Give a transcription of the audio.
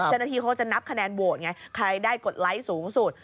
เจ้าหน้าที่เขาจะนับคะแนนโหวตไงใครได้กดไลค์สูงสุด